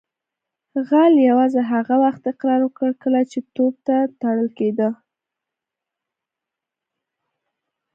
غل یوازې هغه وخت اقرار وکړ کله چې توپ ته تړل کیده